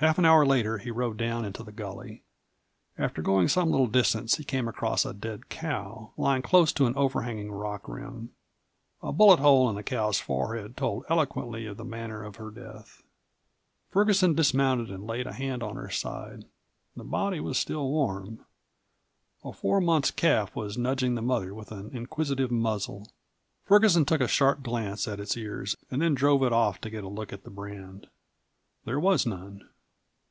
Half an hour later he rode down into the gully. After going some little distance he came across a dead cow, lying close to an overhanging rock rim. A bullet hole in the cow's forehead told eloquently of the manner of her death. Ferguson dismounted and laid a hand on her side. The body was still warm. A four months' calf was nudging the mother with an inquisitive muzzle. Ferguson took a sharp glance at its ears and then drove it off to get a look at the brand. There was none.